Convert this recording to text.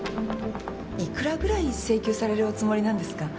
いくらぐらい請求されるおつもりなんですか？